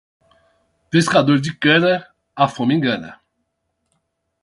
Pescador de cana, a fome engana.